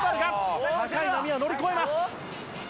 高い波を乗り越えます。